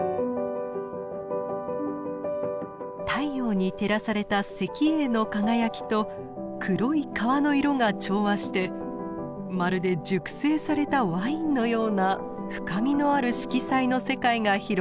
太陽に照らされた石英の輝きと黒い川の色が調和してまるで熟成されたワインのような深みのある色彩の世界が広がっています。